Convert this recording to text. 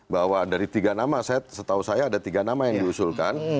bahwa dari tiga nama setahu saya ada tiga nama yang diusulkan